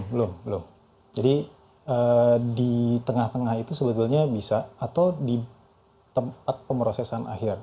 belum belum jadi di tengah tengah itu sebetulnya bisa atau di tempat pemrosesan akhir